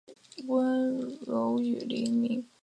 阿波罗太空梭选用诺伊斯的集成电路。